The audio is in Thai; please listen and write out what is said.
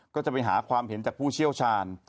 ก็จะไปหาความเห็นจากผู้เชี่ยวชาญ